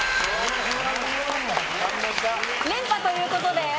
連覇ということで。